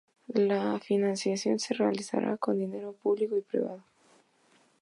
La financiación se realizará con dinero público y privado.